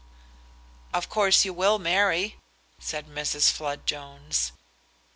"Of course you will marry?" said Mrs. Flood Jones.